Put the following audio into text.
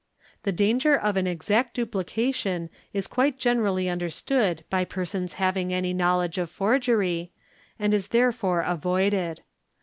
The danger of an exact duplication is quite generally under stood by persons having any knowledge of forgery, and is therefore avoided.